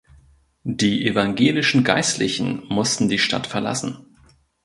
Die evangelischen Geistlichen mussten die Stadt verlassen.